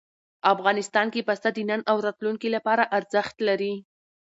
افغانستان کې پسه د نن او راتلونکي لپاره ارزښت لري.